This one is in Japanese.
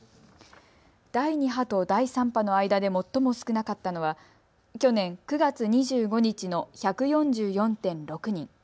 第２波と第３波の間で最も少なかったのは去年９月２５日の１４４．６人。